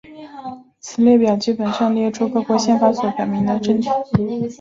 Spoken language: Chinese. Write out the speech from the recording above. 此列表基本上列出各国宪法所表明的政体。